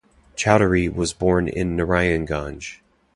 Chowdhury was born in Narayanganj.